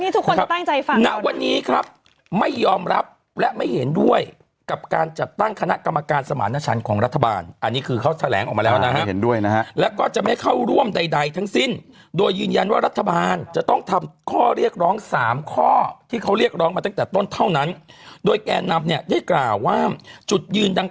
ทุกคนณวันนี้ครับไม่ยอมรับและไม่เห็นด้วยกับการจัดตั้งคณะกรรมการสมารณชันของรัฐบาลอันนี้คือเขาแถลงออกมาแล้วนะฮะแล้วก็จะไม่เข้าร่วมใดทั้งสิ้นโดยยืนยันว่ารัฐบาลจะต้องทำข้อเรียกร้องสามข้อที่เขาเรียกร้องมาตั้งแต่ต้นเท่านั้นโดยแก่นำเนี่ยได้กล่าวว่าจุดยืนดัง